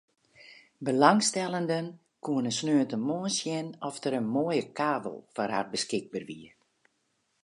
Belangstellenden koene sneontemoarn sjen oft der in moaie kavel foar har beskikber wie.